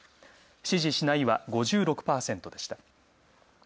支持しないは５６％でした。